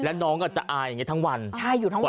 แล้วน้องจะอายอย่างนี้ทั้งวัน